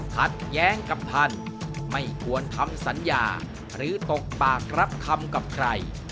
ท่านไม่ควรทำสัญญาหรือตกปากรับคำกับใคร